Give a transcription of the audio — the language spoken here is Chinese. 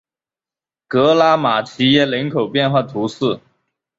格拉马齐耶人口变化图示